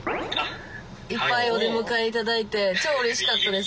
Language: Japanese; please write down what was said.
いっぱいお出迎えいただいて超うれしかったです。